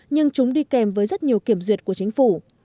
nhưng chúng đi kèm với rất nhiều kiểm duyệt của chính phủ